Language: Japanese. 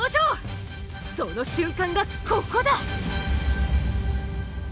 その瞬間がここだ。